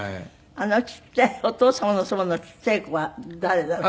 あのちっちゃいお父様のそばのちっちゃい子は誰だろう？